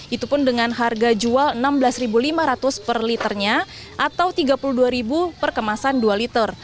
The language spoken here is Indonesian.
itu pun dengan harga jual rp enam belas lima ratus per liternya atau rp tiga puluh dua per kemasan dua liter